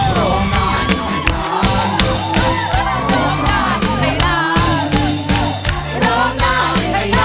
ร้องได้ให้ร้าน